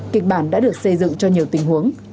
kịch bản đã được xây dựng cho nhiều tình huống